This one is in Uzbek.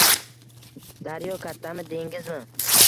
Daryo kattami, dengizmi?